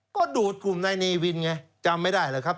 ก็ดูดกลุ่มนายเนวินไงจำไม่ได้เลยครับ